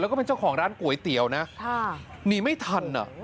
แล้วก็เป็นเจ้าของร้านก๋วยเตี๋ยวนะหนีไม่ทันอ่ะ